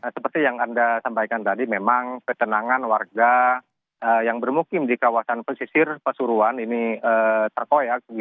seperti yang anda sampaikan tadi memang ketenangan warga yang bermukim di kawasan pesisir pasuruan ini terkoyak